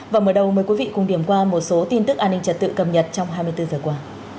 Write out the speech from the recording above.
và mở đầu mời quý vị cùng điểm qua một số tin tức an ninh trật tự cầm nhật trong hai mươi bốn giờ qua